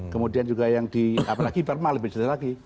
kemudian juga yang di apalagi perma lebih jelas lagi